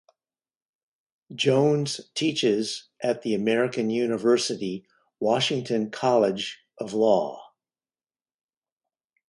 Jones teaches at the American University Washington College of Law.